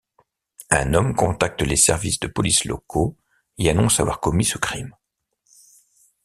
Un homme contacte les services de police locaux et annonce avoir commis ce crime.